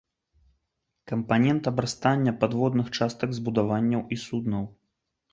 Кампанент абрастання падводных частак збудаванняў і суднаў.